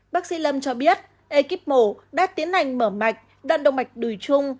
bác sĩ lâm cho biết ekip mổ đã tiến hành mở mạch đoạn động mạch đùi trung